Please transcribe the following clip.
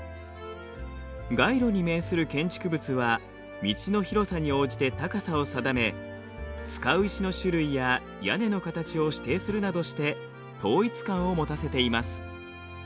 街路に面する建築物は道の広さに応じて高さを定め使う石の種類や屋根の形を指定するなどして統一感を持たせています。